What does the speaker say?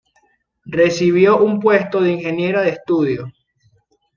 Recibió un puesto de Ingeniera de estudio.